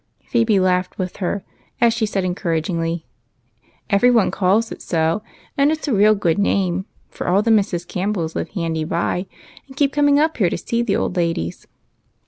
Phebe laughed with her as she said encouragingly, —" Every one calls it so, and it 's a real good name, for all the Mrs. Campbells live handy by, and keep coming up to see the old ladies."